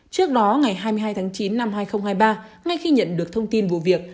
trước đó ngày hai mươi hai tháng chín năm hai nghìn hai mươi ba ngay khi nhận được thông tin vụ việc